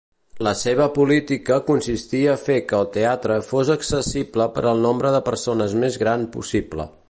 La seva política consistia a fer que el teatre fos accessible per al nombre de persones més gran possible.